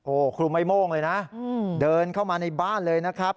โอ้โหครูไม่โม่งเลยนะเดินเข้ามาในบ้านเลยนะครับ